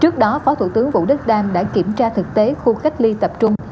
trước đó phó thủ tướng vũ đức đam đã kiểm tra thực tế khu cách ly tập trung